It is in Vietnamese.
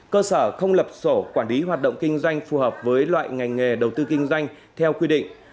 cơ sở không lập sổ quản lý hoạt động kinh doanh phù hợp với loại ngành nghề đầu tư kinh doanh theo quy định